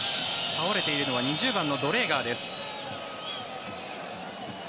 倒れているのは２０番のドレーガーです。